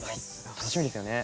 楽しみですよね。